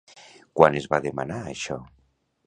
Quan es va demanar això?